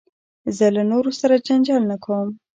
زه له نورو سره جنجال نه کوم.